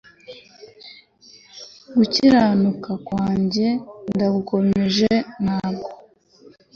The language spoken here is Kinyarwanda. Gukiranuka kwanjye ndagukomeje ntabwo